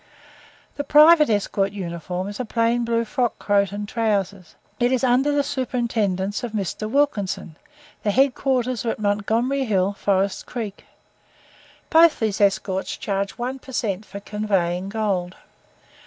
The private escort uniform is a plain blue frock coat and trowsers. It is under the superintendence of Mr. Wilkinson; the head quarters are at Montgomery Hill, Forest Creek. Both these escorts charge one per cent for conveying gold.